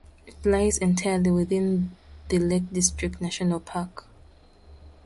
It lies entirely within the Lake District National Park.